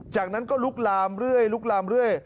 จากนั้นก็ลุกลามเรื่อยลุกลามเรื่อย